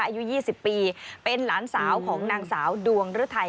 อายุ๒๐ปีเป็นหลานสาวของนางสาวดวงฤทัย